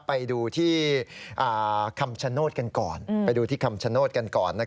ไปดูที่คำชโนตกันก่อน